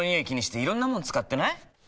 気にしていろんなもの使ってない？